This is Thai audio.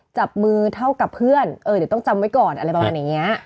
จับมือเท่ากับเพื่อนเออเดี๋ยวต้องจำไว้ก่อนอะไรแบบนี้